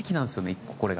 一個これが。